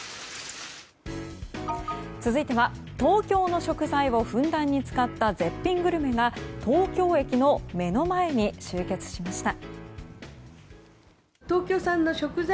続いては東京の食材をふんだんに使った絶品グルメが東京駅の目の前に集結しました。